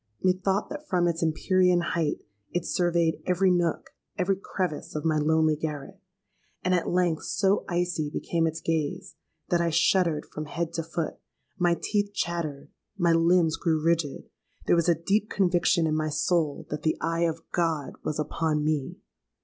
Methought that from its empyrean height it surveyed every nook, every crevice of my lonely garret; and at length so icy became its gaze, that I shuddered from head to foot—my teeth chattered—my limbs grew rigid. There was a deep conviction in my soul that the eye of God was upon me!